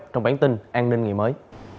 trong bản tin an ninh ngày mới